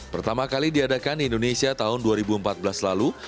pertama kali diadakan di indonesia tahun dua ribu empat belas lalu